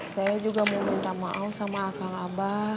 saya juga mau minta maaf sama akal abah